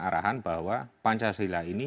arahan bahwa pancasila ini